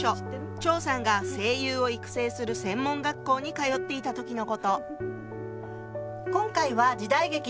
張さんが声優を育成する専門学校に通っていた時のこと。